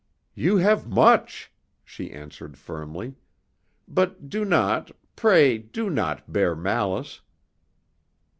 "You have much," she answered firmly. "But do not pray do not bear malice."